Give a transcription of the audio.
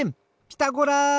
ピタゴラ！